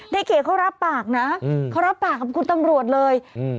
ในเขตเขารับปากนะเขารับปากกับคุณตำรวจเลยอืม